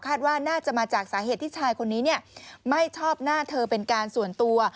ว่าน่าจะมาจากสาเหตุที่ชายคนนี้ไม่ชอบหน้าเธอเป็นการส่วนตัว